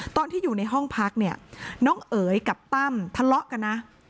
ตอนที่อยู่ในห้องพักเนี่ยน้องเอ๋ยกับตั้มทะเลาะกันนะ